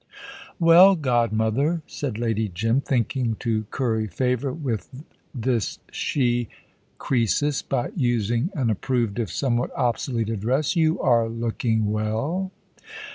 "Well, godmother," said Lady Jim, thinking to curry favour with this she Cr[oe]sus by using an approved, if somewhat obsolete, address, "you are looking well."